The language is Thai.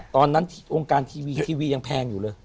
ตอนนั้นวงการทีวีทีวียังแพงอยู่เลย